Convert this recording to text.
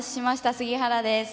杉原です。